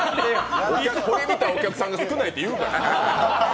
これ見たお客さんが少ないって言うから。